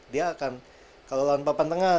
dia akan kalau lawan papan tengah